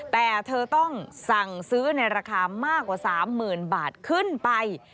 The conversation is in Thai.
แต่เธอต้องสั่งซื้อในราคามากกว่า๓๐๐๐บาทขึ้นไป